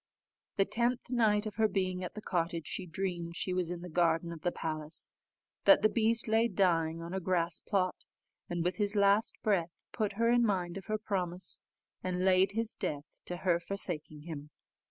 The tenth night of her being at the cottage, she dreamed she was in the garden of the palace, that the beast lay dying on a grass plot, and with his last breath put her in mind of her promise, and laid his death to her forsaking him.